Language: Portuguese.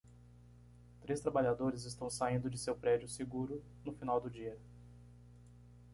Três trabalhadores estão saindo de seu prédio seguro no final do dia.